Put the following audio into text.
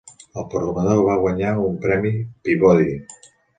El programa va guanyar un premi Peabody.